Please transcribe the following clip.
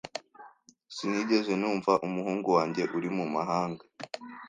Sinigeze numva umuhungu wanjye uri mu mahanga.